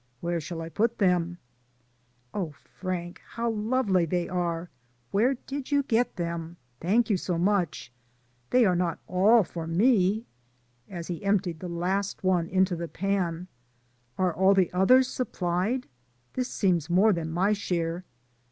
"Where shall I put them?" "Oh, Frank, how lovely they are. Where did you get them? Thank you so much; DAYS ON THE ROAD. 23 they are not all for me?" — ^as he emptied the last one into the pan. "Are all the others supplied ? This seems more than my share."